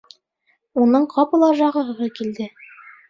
Уның ҡапыл ашағыһы килде.